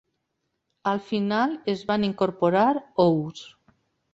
Al final es van incorporar ous.